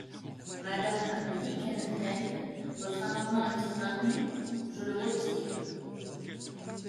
Madame Linkenheld, votre amendement est-il maintenu ? Je le retire.